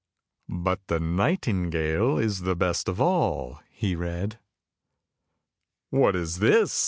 " But the nightingale is the best of all," he read. "What is this?"